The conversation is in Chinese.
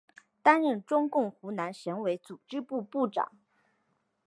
担任中共湖南省委组织部部长。